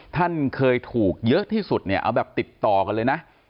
ท่านเคยถูกเยอะที่สุดเนี่ยเอาแบบติดต่อกันเลยนะ